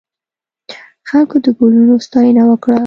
خلکو د ګلونو ستاینه وکړه.